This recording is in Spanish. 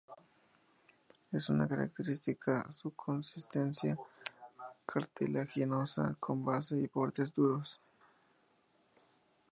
Es característica su consistencia cartilaginosa, con base y bordes duros.